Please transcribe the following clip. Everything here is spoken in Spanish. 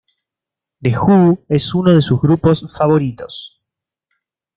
The Who es uno de sus grupos favoritos.